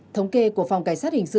thống kê của phòng cảnh sát hình sát